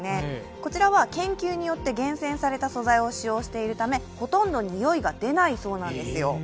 こちらは研究によって厳選された素材を使用しているためほとんど臭いが出ないそうなんですよ。